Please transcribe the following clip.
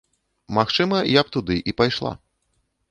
Магчыма, я б туды і пайшла.